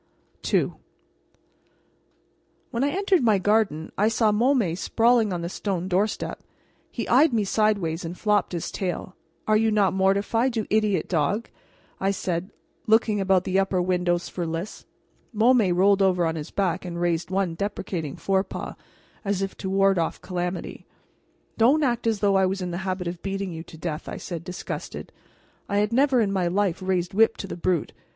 II When I entered my garden I saw Môme sprawling on the stone doorstep. He eyed me sideways and flopped his tail. "Are you not mortified, you idiot dog?" I said, looking about the upper windows for Lys. Môme rolled over on his back and raised one deprecating forepaw, as though to ward off calamity. "Don't act as though I was in the habit of beating you to death," I said, disgusted. I had never in my life raised whip to the brute.